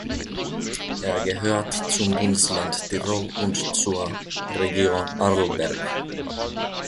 Er gehört zum Bundesland Tirol und zur Region Arlberg.